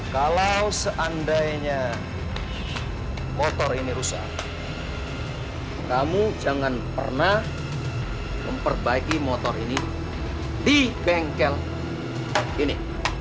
kalau seandainya motor ini rusak kamu jangan pernah memperbaiki motor ini di bengkel ini